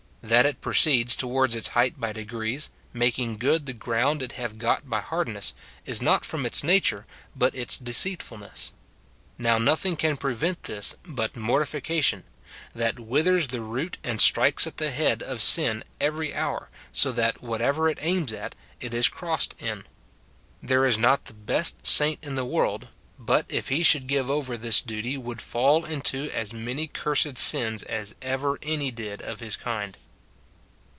That it proceeds towards its height by degrees, making good the ground it hath got by hardness, is not from its nature, but its deceitfulhess. Now nothing can prevent this but morti fication ; that withers the root and strikes at the head of sin every hour, so that whatever it aims at, it is crossed in. There is not the best saint in the world, but, if he should give over this duty, would fall into as many cursed sins as ever any did of his kind.